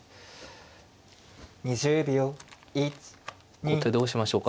後手どうしましょうか。